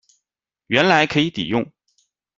原来可以抵用